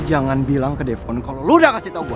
lo jangan bilang ke depon kalo lo udah kasih tau gue